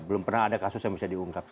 belum pernah ada kasus yang bisa diungkap